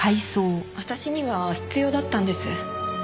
私には必要だったんです。